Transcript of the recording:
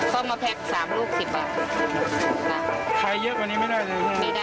เขามาแพ็ก๓ลูก๑๐บาทใครเยอะกว่านี้ไม่ได้เลยไม่ได้เลยทุนก็ไม่ได้